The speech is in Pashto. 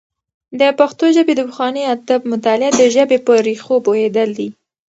د پښتو ژبې د پخواني ادب مطالعه د ژبې په ريښو پوهېدل دي.